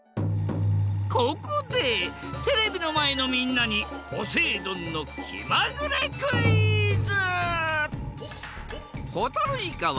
ここでテレビのまえのみんなにポセイ丼のきまぐれクイズ！